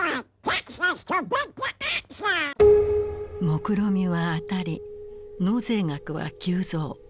もくろみは当たり納税額は急増。